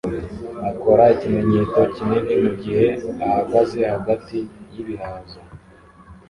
akora ikimenyetso kinini mugihe ahagaze hagati yibihaza